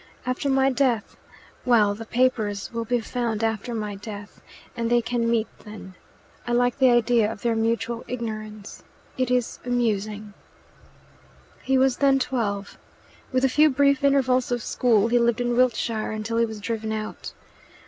After my death well, the papers will be found after my death, and they can meet then. I like the idea of their mutual ignorance. It is amusing." He was then twelve. With a few brief intervals of school, he lived in Wiltshire until he was driven out.